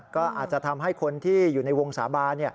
ก็อาจจะทำให้คนที่อยู่ในวงสาบาน